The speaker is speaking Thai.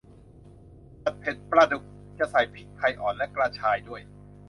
ผัดเผ็ดปลาดุก จะใส่พริกไทยอ่อนและกระชายด้วย